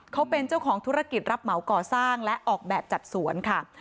เขาเป็นเจ้าของธุรกิจรับเหมาก่อสร้างและออกแบบจัดสวนค่ะ